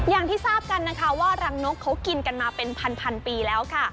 อย่างที่ทราบกันนะคะว่ารังนกเขากินกันมาเป็นพันปีแล้วค่ะ